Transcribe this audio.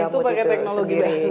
ya dan itu pakai teknologi